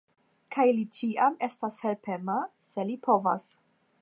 Kaj li ĉiam estas helpema, se li povas.